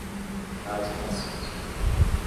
nazifascismo